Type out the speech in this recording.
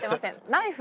ナイフ？